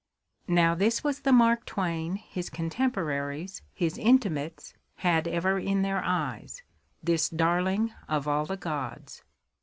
Now this was the Mark Twain his contemporaries, his intimates, had ever in their eyes, — this darling of all the gods.